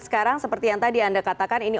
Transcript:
sekarang seperti yang tadi anda katakan ini